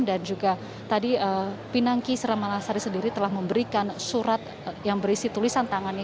dan juga tadi pinangki sirena malasari sendiri telah memberikan surat yang berisi tulisan tangannya